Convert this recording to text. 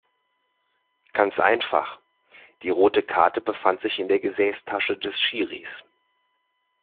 Ganz einfach: Die rote Karte befand sich in der Gesäßtasche des Schiris.